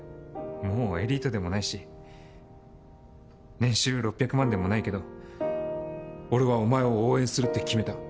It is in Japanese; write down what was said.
もうエリートでもないし年収６００万でもないけど。俺はお前を応援するって決めた。